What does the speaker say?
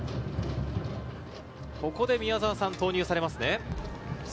ここで宮澤さん、投入されますね。